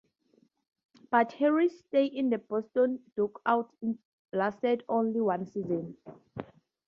But Harris's stay in the Boston dugout lasted only one season.